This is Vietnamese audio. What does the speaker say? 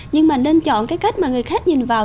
nhưng mà nên chọn cái cách mà người khác nhìn vào